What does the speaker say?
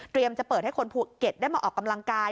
จะเปิดให้คนภูเก็ตได้มาออกกำลังกาย